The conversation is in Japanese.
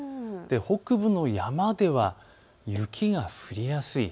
北部の山では雪が降りやすい。